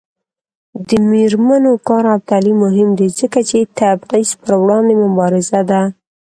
د میرمنو کار او تعلیم مهم دی ځکه چې تبعیض پر وړاندې مبارزه ده.